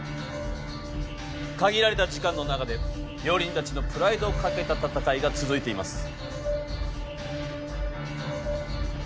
限られた時間の中で料理人たちのプライドをかけた戦いが続いています。